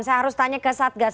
saya harus tanya ke satgas